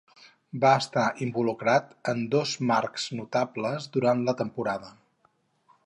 Va estar involucrat en dos marcs notables durant la temporada.